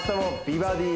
美バディ